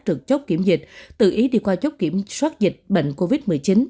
trực chốt kiểm dịch tự ý đi qua chốt kiểm soát dịch bệnh covid một mươi chín